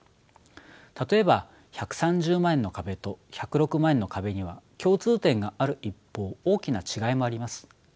例えば１３０万円の壁と１０６万円の壁には共通点がある一方大きな違いもあります。